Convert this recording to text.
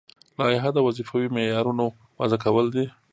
لایحه د وظیفوي معیارونو وضع کول دي.